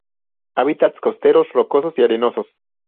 Hábitats costeros rocosos y arenosos.